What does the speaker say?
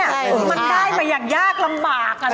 มันได้ไปอย่างยากลำบาก